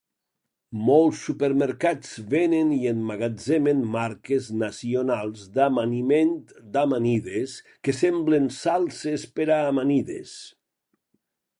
Molts supermercats venen i emmagatzemen marques nacionals d'amaniment d'amanides que semblen salses per a amanides.